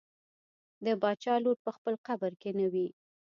د باچا لور په خپل قبر کې نه وي.